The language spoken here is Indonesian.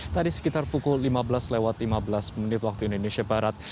tadi sekitar pukul lima belas lewat lima belas menit waktu indonesia barat